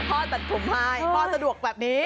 พ่อแบบผมไห้พ่อสะดวกแบบนี้